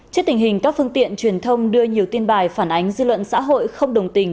trước tình hình các phương tiện truyền thông đưa nhiều tin bài phản ánh dư luận xã hội không đồng tình